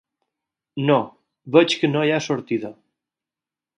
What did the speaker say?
No, veig que no hi ha sortida.